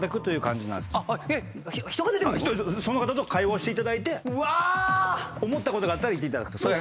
その方と会話をしていただいて思ったことがあったら言っていただくと。